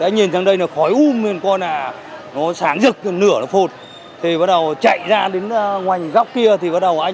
nói chung là anh thấy một người